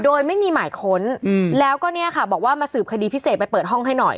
โดยไม่มีหมายค้นแล้วก็เนี่ยค่ะบอกว่ามาสืบคดีพิเศษไปเปิดห้องให้หน่อย